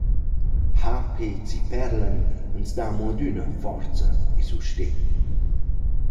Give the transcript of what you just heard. H. - P. Zipperlen ans da amo adüna forza e sustegn.